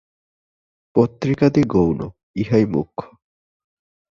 পত্রিকাদি গৌণ, ইহাই মুখ্য।